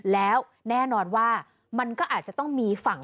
แล้วแน่นอนว่ามันก็อาจจะต้องมีฝั่ง